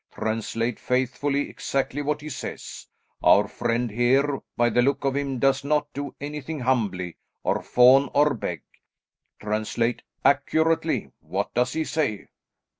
"Translate faithfully exactly what he says. Our friend here, by the look of him, does not do anything humbly, or fawn or beg. Translate accurately. What does he say?"